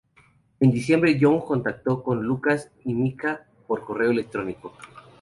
En diciembre, Young contactó con Lukas y Micah por correo electrónico.